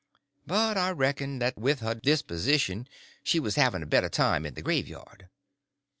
But I reckoned that with her disposition she was having a better time in the graveyard.